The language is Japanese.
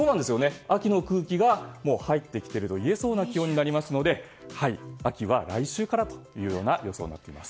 秋の空気が入ってきているといえそうな気温になりますので秋は来週からという予想になっています。